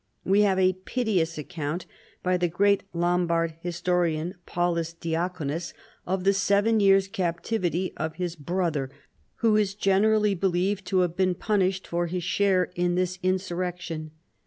We have a piteous account by the great Lombard historian, Paul us Diaconus,* of the seven years' captivity of his Ijrother, who is generally believed to have been punished for his share in this insurrection.